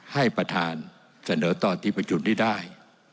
ให้ประธานเสนอตอนที่ประชุมนี้ได้